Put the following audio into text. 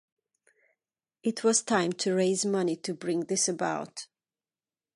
It was time to raise money to bring this about.